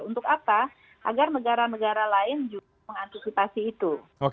untuk apa agar negara negara lain juga mengantisipasi itu